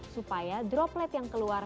supaya droplet yang keluar